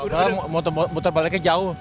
karena motor puter baliknya jauh